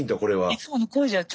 いつもの声じゃない。